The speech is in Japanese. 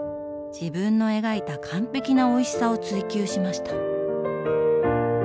自分の描いた完璧なおいしさを追求しました。